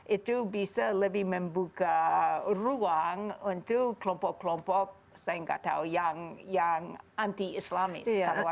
itu bisa lebih membuka ruang untuk kelompok kelompok saya nggak tahu yang anti islamis